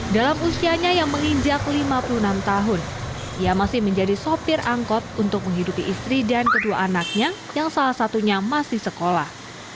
dalam usianya yang menginjak lima puluh enam tahun ia masih menjadi sopir angkot untuk menghidupi istri dan kedua anaknya yang salah satunya masih sekolah